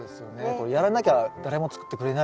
これやらなきゃ誰も作ってくれないし。